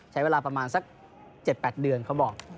ใช้เวลาประมาณสัก๗๘เดือนเขาบอก